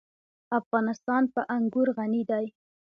افغانستان په انګور غني دی.